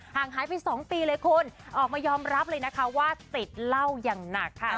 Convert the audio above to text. หายไป๒ปีเลยคุณออกมายอมรับเลยนะคะว่าติดเหล้าอย่างหนักค่ะ